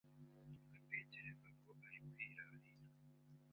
ugatekereza ngo ari kwirarira,